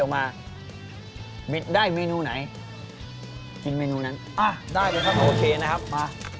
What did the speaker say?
มาได้เมนูไหนกินเมนูนั้นอ่ะได้เลยครับโอเคนะครับมา